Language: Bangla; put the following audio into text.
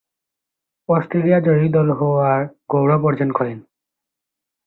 অস্ট্রেলিয়া জয়ী দল হওয়ার গৌরব অর্জন করেন।